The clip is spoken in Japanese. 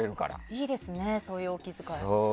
いいですね、そういうお気遣い。